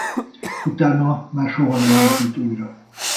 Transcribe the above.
Utána már soha nem épült újra.